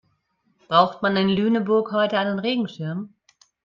Braucht man in Lüneburg heute einen Regenschirm?